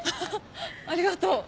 ありがとう。